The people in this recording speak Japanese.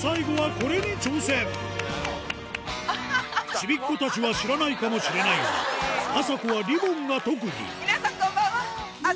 ちびっ子たちは知らないかもしれないがあさこはリボンが特技アハハ！